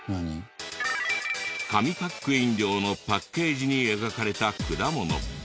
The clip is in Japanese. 紙パック飲料のパッケージに描かれた果物。